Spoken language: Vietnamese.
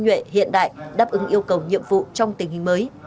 nhuệ hiện đại đáp ứng yêu cầu nhiệm vụ trong tình hình mới